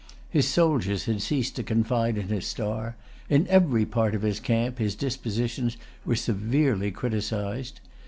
His soldiers had ceased to confide in his star. In every part of his camp his dispositions were severely criticised.